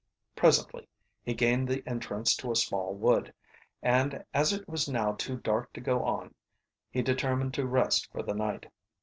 Presently he gained the entrance to a small wood, and as it was now too dark to go on he determined to rest for the night.